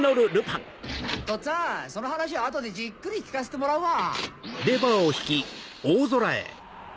とっつあんその話は後でじっくり聞かせてもらうわ。